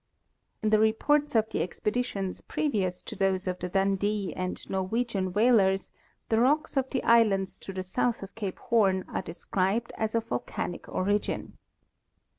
In the reports of the expeditions previous to those of the Dun dee and Norwegian whalers the rocks of the islands to the south of cape Horn are described as of volcanic origin.